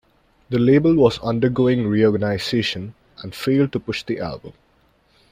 The label was undergoing reorganization, and failed to push the album.